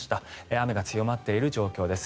雨が強まっている状況です。